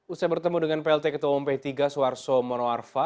usai bertemu dengan plt ketua umum p tiga suarso monoarfa